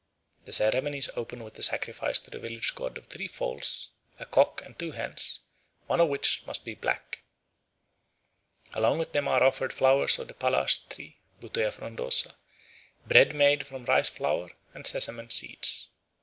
The ceremonies open with a sacrifice to the village god of three fowls, a cock and two hens, one of which must be black. Along with them are offered flowers of the palas tree (Butea frondosa), bread made from rice flour, and sesamum seeds.